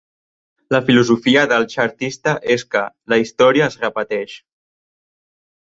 La filosofia del xartista és que "la història es repeteix".